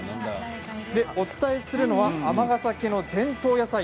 お伝えするのは尼崎の伝統野菜